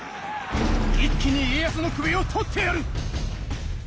一気に家康の首を取ってやる！